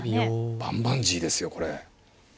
バンバンジーですよこれ。